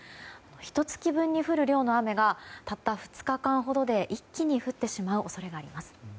ひと月分に降る量の雨がたった２日間ほどで一気に降ってしまう恐れがあります。